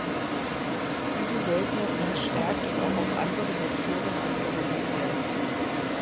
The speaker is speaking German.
Diese sollten jetzt verstärkt und auch auf andere Sektoren angewendet werden.